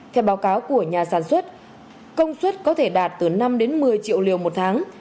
theo báo cáo của nhà sản xuất công suất có thể đạt từ năm đến một mươi triệu liều một tháng